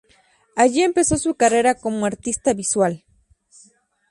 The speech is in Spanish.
Allí empezó su carrera como artista visual.